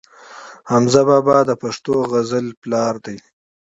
حمزه بابا د پښتو غزل پلار دی.